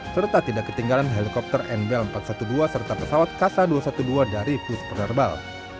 serta tidak ketinggalan helikopter nbl empat ratus dua belas serta pesawat kasa dua ratus dua belas dari pusper herbal